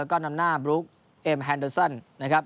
ก็นำหน้าบลูกเอมแฮนเดอร์ซันนะครับ